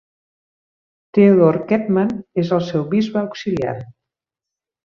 Theodor Kettmann és el seu bisbe auxiliar.